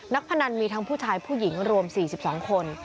พนันมีทั้งผู้ชายผู้หญิงรวม๔๒คน